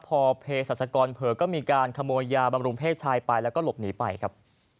พอเพศรัชกรเผลอก็มีการขโมยยาบำรุงเพศชายไปแล้วก็หลบหนีไปครับ